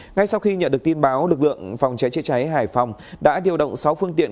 ngay sau khi nhận được tin báo lực lượng phòng cháy chữa cháy hải phòng đã điều động sáu phương tiện